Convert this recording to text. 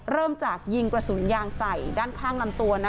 เริ่มจากยิงกระสุนยางใส่ด้านข้างลำตัว